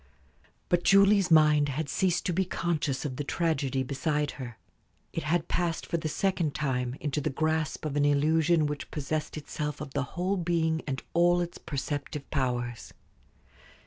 But Julie's mind had ceased to be conscious of the tragedy beside her. It had passed for the second time into the grasp of an illusion which possessed itself of the whole being and all its perceptive powers.